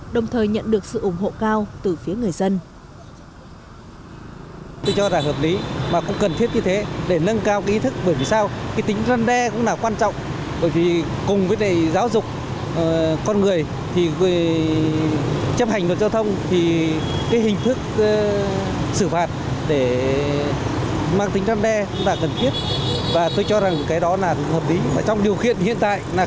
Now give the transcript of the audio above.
đồng thời nhận được sự ủng hộ cao từ phía người dân